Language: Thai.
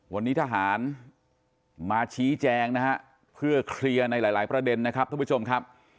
วันนี้ทหารมาชี้แจงนะฮะเพื่อเคลียร์ในหลายประเด็นนะครับท่านผู้ชมครับ